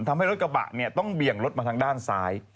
ทำให้รถกระบะเนี่ยต้องเบี่ยงรถมาทางด้านซ้าย